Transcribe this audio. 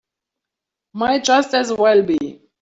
Might just as well be.